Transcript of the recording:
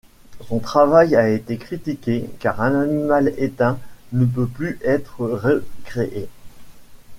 Son travail a été critiqué, car un animal éteint ne peut plus être recréé.